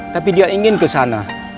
tapi dia ingin ke sana